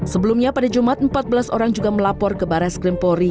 sebelumnya pada jumat empat belas orang juga melapor ke barat skrimpori